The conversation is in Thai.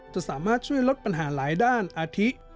จะสามารถช่วยลดปัญหาหลายด้านอาทิ